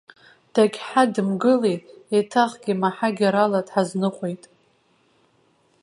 Дегьҳаламгылеит, еиҭахгьы маҳагьарала дҳазныҟәеит.